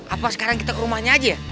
apa sekarang kita ke rumahnya aja ya